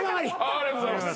ありがとうございます。